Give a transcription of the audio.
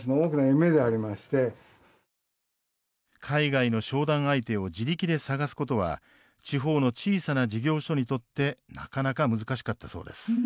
海外の商談相手を自力で探すことは地方の小さな事業所にとってなかなか難しかったそうです。